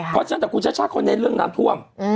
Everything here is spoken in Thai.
เพราะฉะนั้นแต่คุณชาติชาติเขาเน้นเรื่องน้ำท่วม